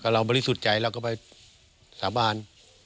เราบริสุทธิ์ใจเราก็ไปสาบาน